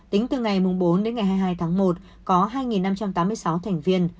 tính từ ngày bốn đến ngày hai mươi hai tháng một có hai năm trăm tám mươi sáu thành viên